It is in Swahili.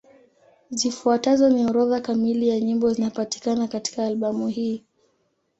Zifuatazo ni orodha kamili ya nyimbo zinapatikana katika albamu hii.